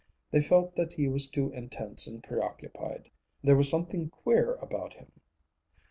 They felt that he was too intense and preoccupied. There was something queer about him.